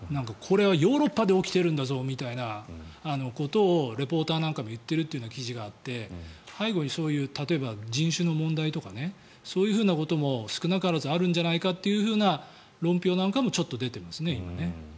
これはヨーロッパで起きているんだぞみたいなことをリポーターなんかも言っているという記事があって背後にそういう例えば人種の問題とかそういうことも少なからずあるんじゃないかという論評なんかもちょっと今、出ていますね。